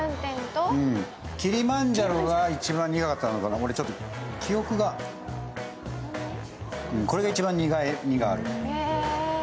キリマンジャロが一番苦かったのかな、記憶がこれが一番苦みがある。